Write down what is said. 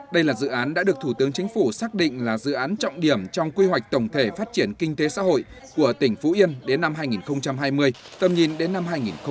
đây là dự án đã được thủ tướng chính phủ xác định là dự án trọng điểm trong quy hoạch tổng thể phát triển kinh tế xã hội của tỉnh phú yên đến năm hai nghìn hai mươi tầm nhìn đến năm hai nghìn ba mươi